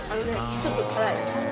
ちょっと辛い。